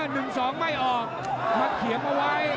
ดู